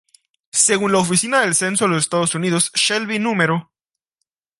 Según la Oficina del Censo de los Estados Unidos, Shelby No.